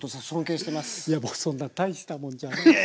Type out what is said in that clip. いやもうそんなたいしたもんじゃない。